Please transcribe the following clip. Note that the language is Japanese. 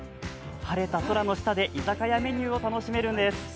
晴れた空の下で居酒屋メニューを楽しめるんです。